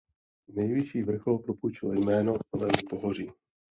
Nejvyšší vrchol propůjčil jméno celému pohoří.